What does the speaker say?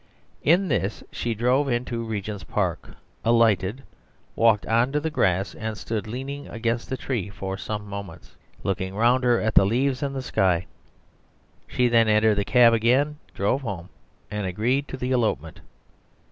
In this she drove into Regent's Park, alighted, walked on to the grass, and stood leaning against a tree for some moments, looking round her at the leaves and the sky. She then entered the cab again, drove home, and agreed to the elopement.